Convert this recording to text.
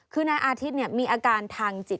คือนายอาทิตย์มีอาการทางจิต